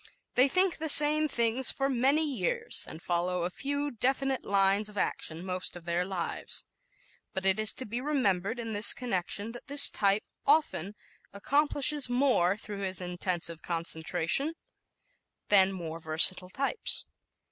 They think the same things for many years and follow a few definite lines of action most of their lives. But it is to be remembered in this connection that this type often accomplishes more through his intensive concentration than more versatile types.